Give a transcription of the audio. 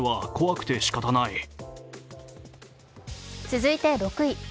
続いて６位。